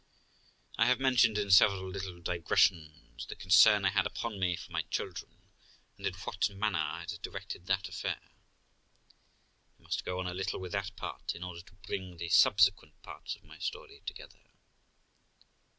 I have mentioned in several little digressions the concern I had upon me for my children, and in what manner I had directed that affair; I must go on a little with that part, in order to bring the subsequent parts of my story together.